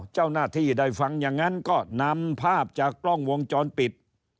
เจ้าหน้าที่ได้ฟังอย่างนั้นก็นำภาพจากกล้องวงจรปิด